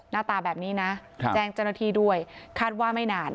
หน้าตาแบบนี้นะแจ้งเจ้าหน้าที่ด้วยคาดว่าไม่นาน